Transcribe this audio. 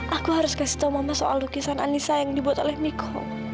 aku harus kasih tau mama soal lukisan anissa yang dibuat oleh miko